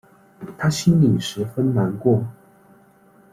她心里十分难过